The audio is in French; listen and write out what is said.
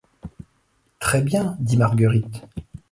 Très bien, dit Marguerite.